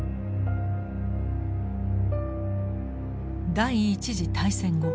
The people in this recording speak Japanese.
第一次大戦後